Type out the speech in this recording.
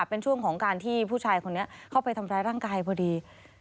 เป็นช่วงของการที่ผู้ชายคนนี้เข้าไปทำร้ายร่างกายพอดี